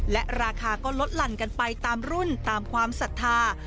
และราคาก็ลดหลั่นกันไปตามรุ่นตามความศรัทธา